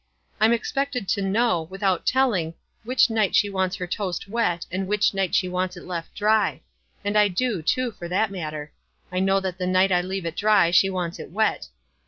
I'm ex pected to know, without tc Sling, which night she wants her toast wet, and which night she wants it left dry; and I do, too, for that matter — I know that the night I leave it dry she wants it wet.